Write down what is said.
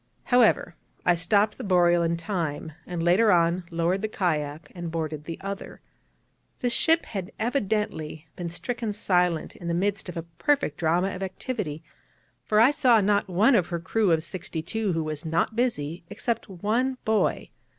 However, I stopped the Boreal in time, and later on lowered the kayak, and boarded the other. This ship had evidently been stricken silent in the midst of a perfect drama of activity, for I saw not one of her crew of sixty two who was not busy, except one boy.